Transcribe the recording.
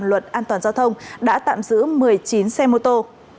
luật an toàn giao thông đã tạm giữ một mươi chín xe mô tô